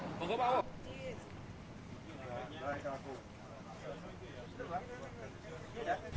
kondisi luka di tubuh korban di jawa timur jawa timur dan di jawa timur